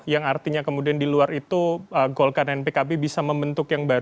yang artinya kemudian di luar itu golkar dan pkb bisa membentuk yang baru